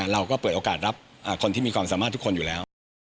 เราก็เปิดโอกาสรับคนที่มีความสามารถทุกคนอยู่แล้ว